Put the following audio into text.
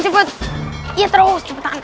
cepetan tutup gerbangnya cepetan